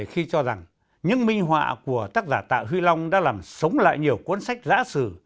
trong khi cho rằng những minh họa của tác giả tạ huy long đã làm sống lại nhiều cuốn sách giã sử